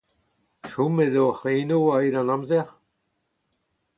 Chomet oc'h eno a-hed an amzer ?